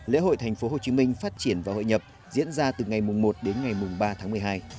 lễ hội thành phố hồ chí minh phát triển và hội nhập diễn ra từ ngày một đến ngày ba tháng một mươi hai